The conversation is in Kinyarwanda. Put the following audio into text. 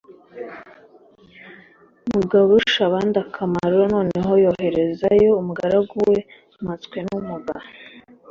mugaburushabandakamaro noneho yoherezayo umugaragu we mpatswenumuga